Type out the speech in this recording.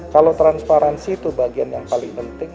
kalau transparansi itu bagian yang paling penting